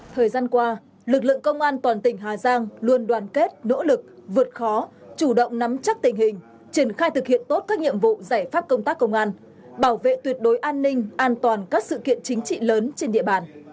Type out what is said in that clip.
thời gian qua lực lượng công an toàn tỉnh hà giang luôn đoàn kết nỗ lực vượt khó chủ động nắm chắc tình hình triển khai thực hiện tốt các nhiệm vụ giải pháp công tác công an bảo vệ tuyệt đối an ninh an toàn các sự kiện chính trị lớn trên địa bàn